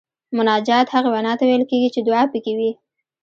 مناجات هغې وینا ته ویل کیږي چې دعا پکې وي.